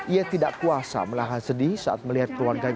ia tidak kuasa melahan sedih saat melihat keluarganya